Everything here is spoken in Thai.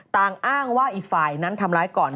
อ้างว่าอีกฝ่ายนั้นทำร้ายก่อน